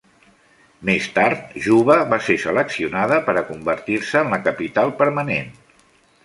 Més tard, Juba va ser seleccionada per a convertir-se en la capital permanent.